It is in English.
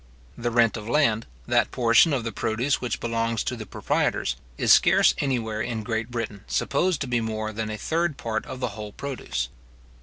The rent of land, that portion of the produce which belongs to the proprietors, is scarce anywhere in Great Britain supposed to be more than a third part of the whole produce.